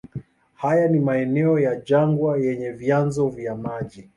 Haya ni maeneo ya jangwa yenye vyanzo vya maji.